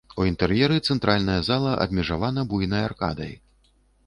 У інтэр'еры цэнтральная зала абмежавана буйнай аркадай.